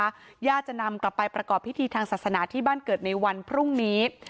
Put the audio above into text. ญาติจะนำกลับไปประกอบพิธีทางศาสนาที่บ้านเกิดในวันพรุ่งนี้